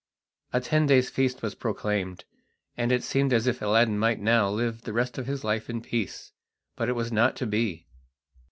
A ten days' feast was proclaimed, and it seemed as if Aladdin might now live the rest of his life in peace; but it was not to be.